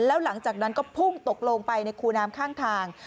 แล้วหลังจากนั้นก็พุ่งตกลงไปในคูน้ำข้างทาง